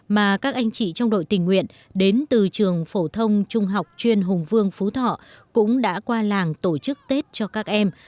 mà các anh chị trong đội tình nguyện đến từ trường phổ thông trung học chuyên hùng vương phú thọ cũng đã qua làng tổ chức tết cho các em